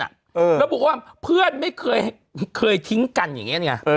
แล้วบอกว่าเพื่อนไม่เคยทิ้งกันอย่างนี้ไง